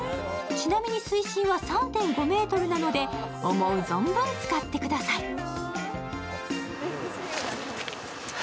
ちなみに水深は３．５ｍなので思う存分つかってください。